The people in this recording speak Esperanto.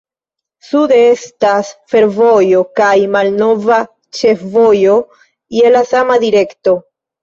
Sude estas fervojo kaj malnova ĉefvojo je la sama direkto.